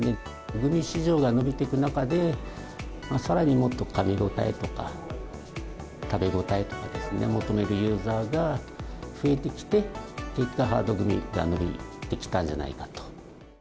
グミ市場が伸びていく中で、さらにもっとかみ応えとか、食べ応えとかですね、求めるユーザーが増えてきて、結果、ハードグミが伸びてきたんじゃないかと。